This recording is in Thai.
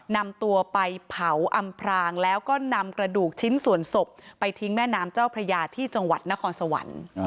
นำตัวไปเผาอำพรางแล้วก็นำกระดูกชิ้นส่วนศพไปทิ้งแม่น้ำเจ้าพระยาที่จังหวัดนครสวรรค์